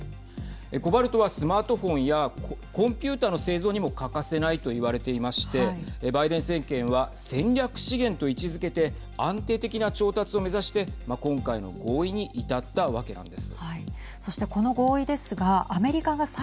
コバルトはスマートフォンやコンピューターの製造にも欠かせないと言われていましてバイデン政権は戦略資源と位置づけて安定的な調達を目指して今回の合意に至ったわけなんです。